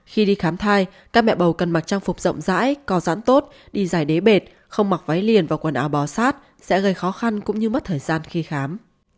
khi đi khám thai các mẹ bầu cần mặc trang phục rộng rãi co giãn tốt đi giải đế bệt không mặc váy liền và quần áo bò sát sẽ gây khó khăn cũng như mất thời gian khi khám